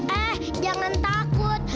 eh jangan takut